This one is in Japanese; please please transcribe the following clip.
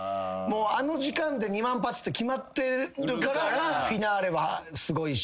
あの時間で２万発って決まってるからフィナーレはすごいし。